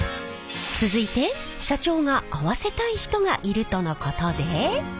続いて社長が会わせたい人がいるとのことで。